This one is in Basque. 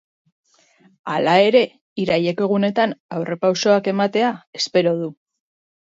Hala ere, iraileko lehen egunetan aurrerapausoak ematea espero du.